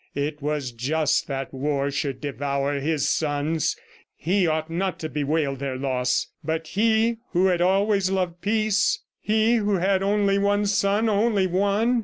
It was just that War should devour his sons; he ought not to bewail their loss. ... But he who had always loved Peace! He who had only one son, only one!